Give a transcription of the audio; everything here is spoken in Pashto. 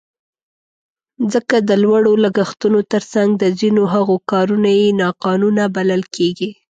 ځکه د لوړو لګښتونو تر څنګ د ځینو هغو کارونه یې ناقانونه بلل کېږي.